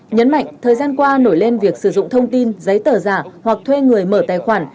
nhấn mạnh thời gian qua nổi lên việc sử dụng thông tin giấy tờ giả hoặc thuê người mở tài khoản